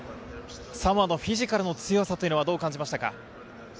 サモアのフィジカルの強さはどう感じましたか？